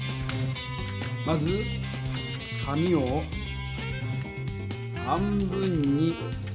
まず紙を半分におる。